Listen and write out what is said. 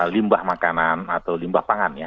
limbah makanan atau limbah pangan ya